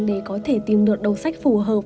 để có thể tìm được đồ sách phù hợp